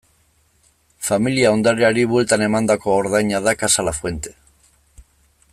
Familia ondareari bueltan emandako ordaina da Casa Lafuente.